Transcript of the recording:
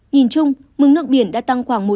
nhìn chung mức nước biển đã tăng khoảng